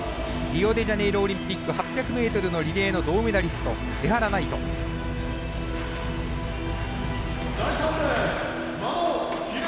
リオデジャネイロオリンピック８００ｍのリレーの銅メダリスト江原騎士。